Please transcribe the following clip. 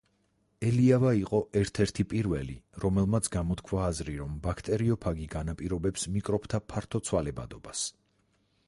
ელიავა იყო ერთ-ერთი პირველი, რომელმაც გამოთქვა აზრი, რომ ბაქტერიოფაგი განაპირობებს მიკრობთა ფართო ცვალებადობას.